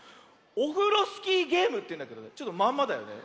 「オフロスキーゲーム」というんだけどまんまだよね。